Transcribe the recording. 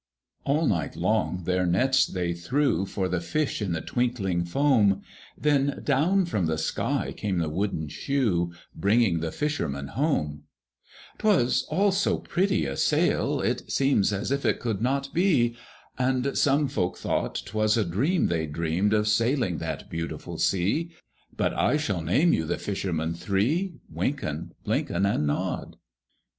All night long their nets they threw For the fish in the twinkling foam, Then down from the sky came the wooden shoe, Bringing the fishermen home; 'T was all so pretty a sail, it seemed As if it could not be; And some folk thought 't was a dream they'd dreamed Of sailing that beautiful sea; But I shall name you the fishermen three: Wynken, Blynken, And Nod.